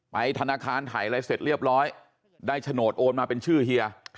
ธนาคารถ่ายอะไรเสร็จเรียบร้อยได้โฉนดโอนมาเป็นชื่อเฮีย